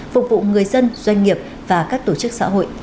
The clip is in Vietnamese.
phục vụ người dân doanh nghiệp và các tổ chức xã hội